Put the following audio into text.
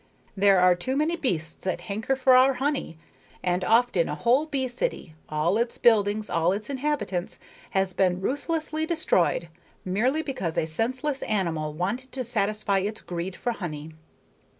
There are too many beasts that hanker for our honey, and often a whole bee city all its buildings, all its inhabitants has been ruthlessly destroyed, merely because a senseless animal wanted to satisfy its greed for honey."